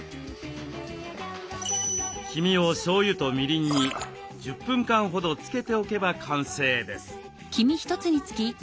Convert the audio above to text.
黄身をしょうゆとみりんに１０分間ほど漬けておけば完成です。